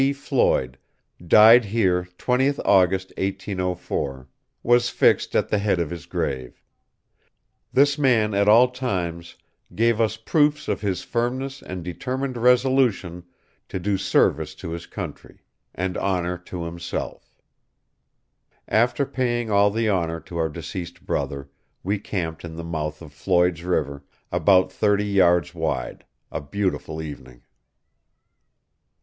C. Floyd died here 20th August, 1804, was fixed at the head of his grave This man at all times gave us proofs of his firmness and Determined resolution to doe service to his countrey and honor to himself after paying all the honor to our Decesed brother we camped in the mouth of floyds river about thirty yards wide, a butifull evening."